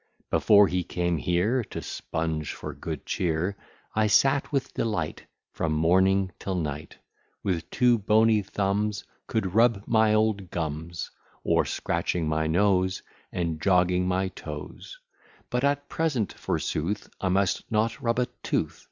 Before he came here, To spunge for good cheer, I sat with delight, From morning till night, With two bony thumbs Could rub my old gums, Or scratching my nose And jogging my toes; But at present, forsooth, I must not rub a tooth.